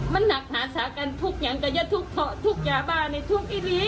มันหนักหาสากันทุกอย่างก็จะทุกยาบ้าในทุกอีรี